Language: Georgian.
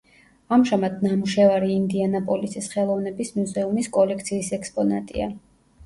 ამჟამად ნამუშევარი ინდიანაპოლისის ხელოვნების მუზეუმის კოლექციის ექსპონატია.